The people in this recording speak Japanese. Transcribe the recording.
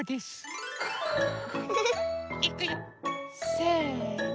せの。